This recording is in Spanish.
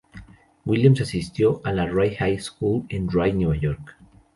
Williams asistió a la Rye High School en Rye, Nueva York.